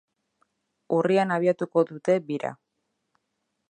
Urrian abiatuko dute bira.